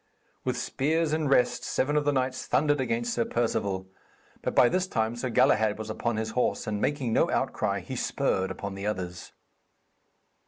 With spears in rest, seven of the knights thundered against Sir Perceval. But by this time Sir Galahad was upon his horse, and, making no outcry, he spurred upon the others.